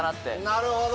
なるほど！